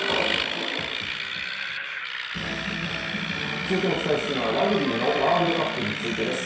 続いてお伝えするのはラグビーのワールドカップについてです。